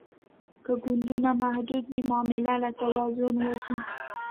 که ګوندونه محدود وي معامله له توازن وځي